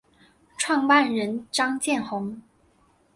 创办人张建宏。